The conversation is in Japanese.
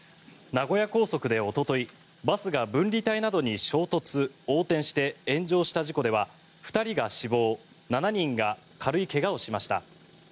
名古屋高速でおとといバスが分離帯などに衝突・横転して炎上した事故では、２人が死亡２人が軽い怪我をしました。